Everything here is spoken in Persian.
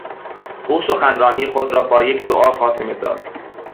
او سخنرانی خود را با یک دعا خاتمه داد.